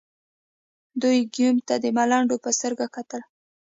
دوی ګیوم ته د ملنډو په سترګه کتل.